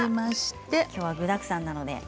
きょうは具だくさんです。